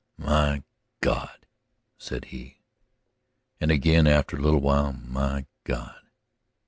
"My God!" said he. And again, after a little while: "My God!"